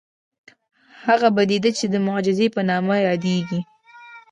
هغه پديده چې د معجزې په نامه يادېږي.